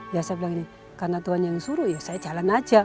ya saya bilang ini karena tuhan yang suruh ya saya jalan aja